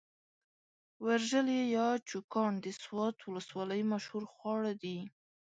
ورژلي يا چوکاڼ د سوات ولسوالۍ مشهور خواړه دي.